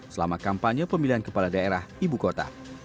selama kampanye pemilihan kepala daerah ibu kota